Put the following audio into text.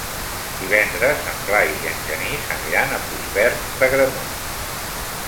Divendres en Blai i en Genís aniran a Puigverd d'Agramunt.